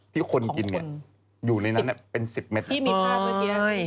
ที่คนกินเนี่ยสิบอยู่ในนั้นเนี่ยเป็นสิบเมตรอ้าวที่มีภาพเมื่อกี้เออ